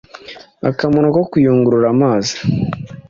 akamaro ko kuyungurura amazi